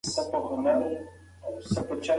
دوی د ټولنیز پرمختګ لپاره هلې ځلې کوي.